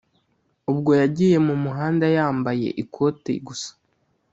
ubwo yagiye mu muhanda yambaye ikote gusa